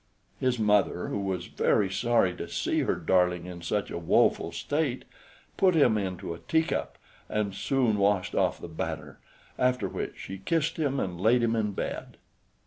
His mother, who was very sorry to see her darling in such a woful state, put him into a tea cup, and soon washed off the batter; after which she kissed him, and laid him in bed.